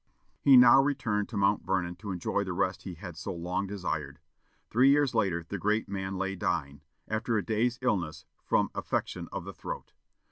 He now returned to Mount Vernon to enjoy the rest he had so long desired. Three years later the great man lay dying, after a day's illness, from affection of the throat.